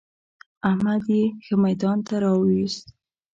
احمد يې ښه ميدان ته را ويوست.